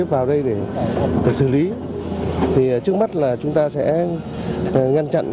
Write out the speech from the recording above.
và chúng ta sẽ ngăn chặn